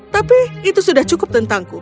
tapi itu sudah cukup tentangku